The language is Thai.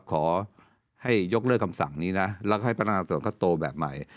ขอให้ยกเลิกคำสั่งนี้นะแล้วก็ให้พนักงานส่วนเขาโตแบบใหม่